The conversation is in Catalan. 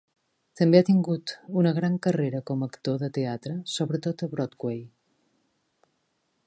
També ha tingut una gran carrera com a actor de teatre, sobretot a Broadway.